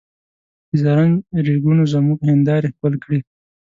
د زرنج ریګونو زموږ هندارې ښکل کړې.